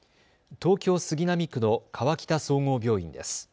東京杉並区の河北総合病院です。